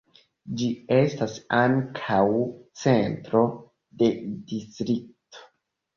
Ĝi estas ankaŭ centro de distrikto.